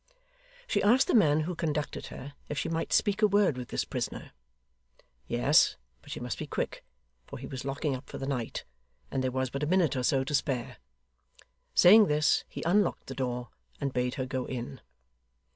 She asked the man who conducted her, if she might speak a word with this prisoner. Yes, but she must be quick for he was locking up for the night, and there was but a minute or so to spare. Saying this, he unlocked the door, and bade her go in.